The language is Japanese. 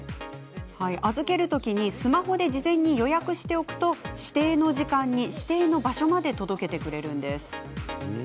預けるときにスマホで事前に予約しておくと指定の時間に指定の場所まで届けてくれるんです。